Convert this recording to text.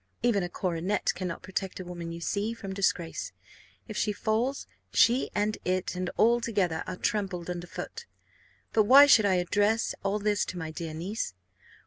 Even a coronet cannot protect a woman, you see, from disgrace: if she falls, she and it, and all together, are trampled under foot. But why should I address all this to my dear niece?